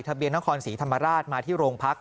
ทะเบียนเอาความสีธรรมราชมาที่โรงพลักษณ์